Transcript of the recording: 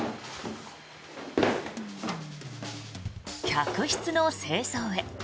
客室の清掃へ。